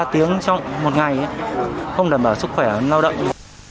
tiếng trong một ngày ấy không đảm bảo sức khỏe lao động